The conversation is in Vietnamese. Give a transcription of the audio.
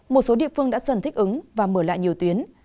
một số địa phương đã dần thích ứng và mở lại nhiều tuyến